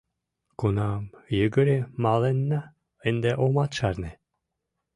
— Кунам йыгыре маленна — ынде омат шарне...